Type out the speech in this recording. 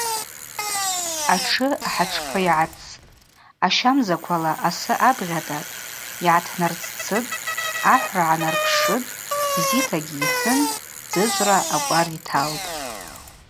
Атшы ахӏатшпы йгӏацӏцӏтӏ, ащамзаквала асы абгъьатӏатӏ, йтнарццытӏ, ахӏвра гӏанарпшытӏ, бзитагьи йхӏвын дзыжвра акӏвар йталтӏ.